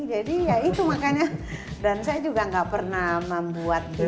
jadi ya itu makanya dan saya juga nggak pernah membuat dia